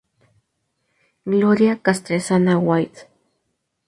Gloria Castresana Waid.